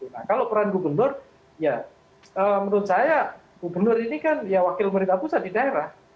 nah kalau peran gubernur ya menurut saya gubernur ini kan ya wakil pemerintah pusat di daerah